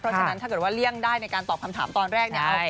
เพราะฉะนั้นถ้าเกิดว่าเลี่ยงได้ในการตอบคำถามตอนแรกเนี่ย